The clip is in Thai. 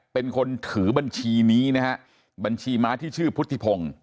เป็นคนถือบัญชีนี้นะฮะบัญชีม้าที่ชื่อพุทธิพงศ์